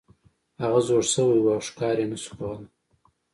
هغه زوړ شوی و او ښکار یې نشو کولی.